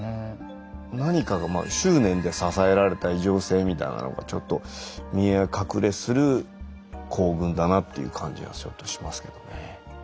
何かがまあ執念で支えられた異常性みたいなのがちょっと見え隠れする行軍だなっていう感じはちょっとしますけどね。